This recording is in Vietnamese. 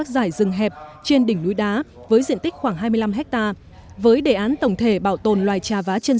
giải rừng hẹp trên đỉnh núi đá với diện tích khoảng hai mươi năm ha với đề án tổng thể bảo tồn loài trà vá chân